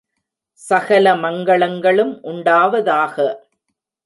சகல மங்களங்களும் உண்டாவதாக!